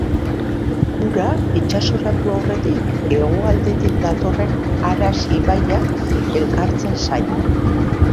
Kura itsasoratu aurretik hegoaldetik datorren Aras ibaia elkartzen zaio.